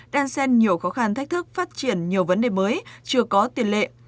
đang xem nhiều khó khăn thách thức phát triển nhiều vấn đề mới chưa có tiền lệ